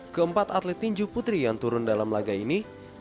keempat atlet tinju putri yang turun dari indonesia